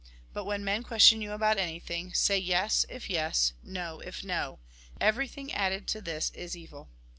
But when men question you about anything, say :" Yes,'' if yes, —" No," if no. Everything added to this is evil.